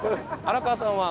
荒川さんは？